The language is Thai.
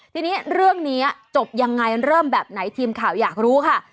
ทีนี้เรื่องนี้จบยังไงเริ่มแบบไหนทีมข่าวอยากรู้ค่ะ